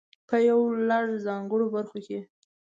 په يو لړ ځانګړو برخو کې.